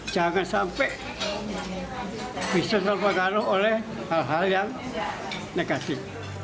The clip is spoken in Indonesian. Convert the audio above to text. jangan sampai bisa terpengaruh oleh hal hal yang negatif